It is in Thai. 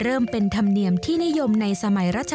เริ่มเป็นธรรมเนียมที่นิยมในสมัยรัชกาลที่๕